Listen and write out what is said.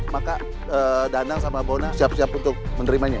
maka danang sama bona siap siap untuk menerimanya